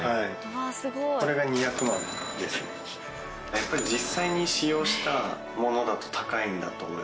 やっぱり実際に使用した物だと高いんだと思いますね。